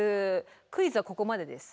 クイズはここまでです。